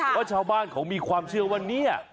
เพราะชาวบ้านเขามีความเชื่อว่าเนี่ย